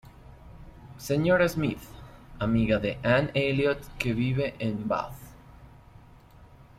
Señora Smith: amiga de Anne Elliot que vive en Bath.